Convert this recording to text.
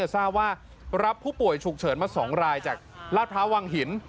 ทราบว่ารับผู้ป่วยฉุกเฉินมา๒รายจากลาดพร้าววังหิน